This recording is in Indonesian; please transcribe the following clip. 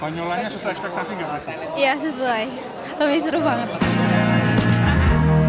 banyolannya sesuai ekspektasi nggak pak fy